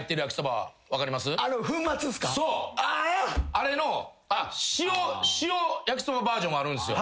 あれの塩焼きそばバージョンもあるんすよ。